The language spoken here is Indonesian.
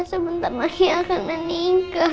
sebentar lagi akan menikah